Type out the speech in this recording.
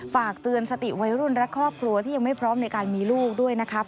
ฝากเตือนสติวัยรุ่นและครอบครัวที่ยังไม่พร้อมในการมีลูกด้วยนะครับ